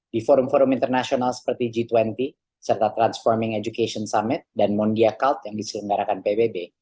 di forum forum internasional seperti g dua puluh serta transforming education summit dan mondia cult yang diselenggarakan pbb